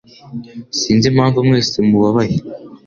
Sinzi impamvu mwese mubabaye.